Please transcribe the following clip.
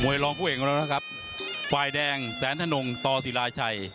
มวยลองผู้เองแล้วนะครับฝ่ายแดงแสนทะนงตอศิราชัย